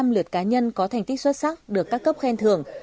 hai trăm ba mươi năm lượt cá nhân có thành tích xuất sắc được các cấp khen thưởng